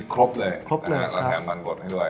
ครับเลยคร้าเราก็แถมวันบดให้ด้วย